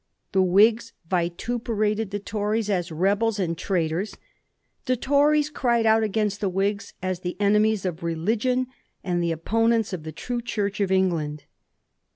The Whigs vituperated the Tories as rebels and traitors ; the Tories cried out against the Whigs as the enemies of religion and the opponents of * the true Church of England.'